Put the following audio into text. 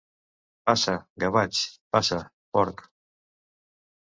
Passa, gavatx; passa, porc.